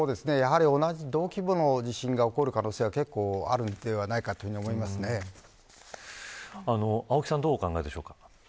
同規模の地震が起こる可能性は結構あるのではないかと青木さんはどうお考えですか。